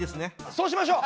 そうしましょう！